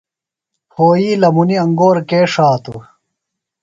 پھوئی لمُنی انگور کے ݜاتوۡ؟